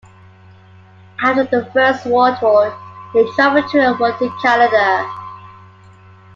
After the First World War he traveled to and worked in Canada.